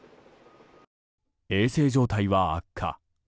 衛生状態は悪化。